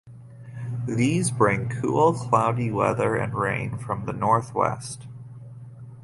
These bring cool cloudy weather and rain from the north west.